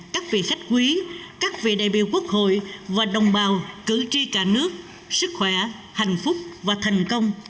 các vị khách quý các vị đại biểu quốc hội và đồng bào cử tri cả nước sức khỏe hạnh phúc và thành công